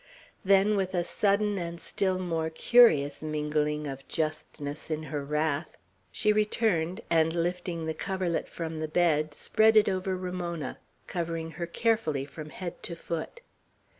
Then, with a sudden and still more curious mingling of justness in her wrath, she returned, and lifting the coverlet from the bed, spread it over Ramona, covering her carefully from head to foot.